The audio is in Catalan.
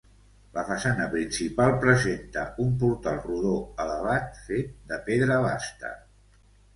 La façana principal presenta un portal rodó elevat fet de pedra basta.